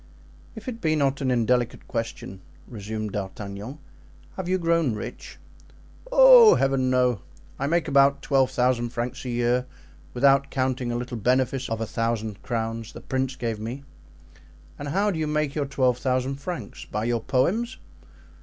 "If it be not an indelicate question," resumed D'Artagnan, "have you grown rich?" "Oh, Heaven! no. I make about twelve thousand francs a year, without counting a little benefice of a thousand crowns the prince gave me." "And how do you make your twelve thousand francs? By your poems?"